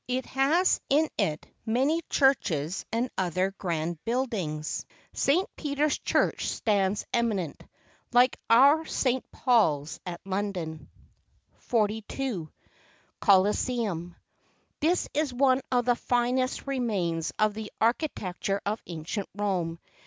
It has in it many churches, and other grand buildings. St. Peter's church stands eminent, like our St. Paubs at London. 42 . The Coliseum . This is one of the finest remains of the archi¬ tecture of ancient Rome.